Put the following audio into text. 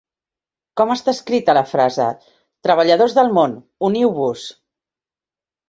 Com està escrita la frase "treballadors del món, uniu-vos!"?